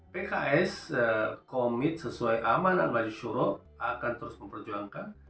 pks komit sesuai amanan bajusyuro akan terus memperjuangkan